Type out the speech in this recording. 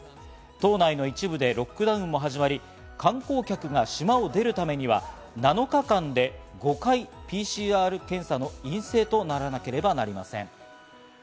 島内の一部でロックダウンも始まり観光客が島を出るためには７日間で５回ＰＣＲ検査の陰性とならなければなりません。